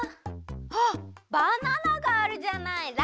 あっバナナがあるじゃない。